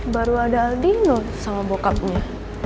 baru ada al dino sama bokapnya